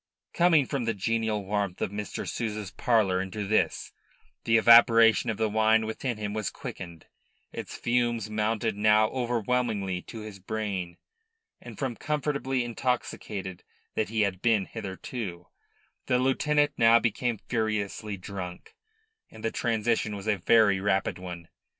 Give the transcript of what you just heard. Coming from the genial warmth of Mr. Souza's parlour into this, the evaporation of the wine within him was quickened, its fumes mounted now overwhelmingly to his brain, and from comfortably intoxicated that he had been hitherto, the lieutenant now became furiously drunk; and the transition was a very rapid one.